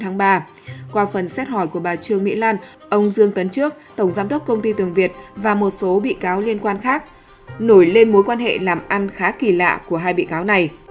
trong phần xét hỏi của bà trương mỹ lan ông dương tấn trước tổng giám đốc công ty tường việt và một số bị cáo liên quan khác nổi lên mối quan hệ làm ăn khá kỳ lạ của hai bị cáo này